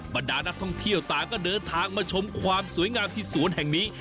บรรดานักท่องเที่ยวต่างก็เดินทางมาชมความสวยงามที่สวนแห่งนี้